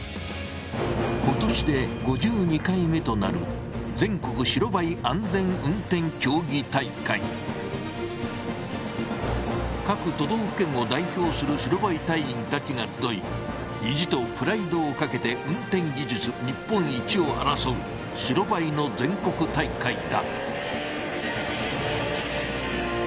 今年で５２回目となる各都道府県を代表する白バイ隊員たちが集い意地とプライドを懸けて運転技術日本一を争う白バイの全国大会だ。